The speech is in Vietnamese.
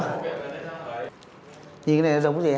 nhìn cái này nó giống cái gì em